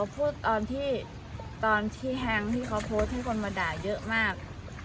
พูดตอนที่แฮงซ์ที่เขาโพสต์ให้คนมาด่าเยอะมาก